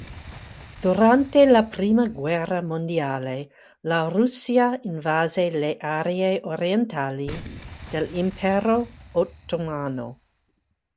Durante la prima guerra mondiale la Russia invase le aree orientali dell'Impero Ottomano.